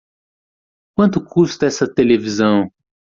Quanta custa essa televisão?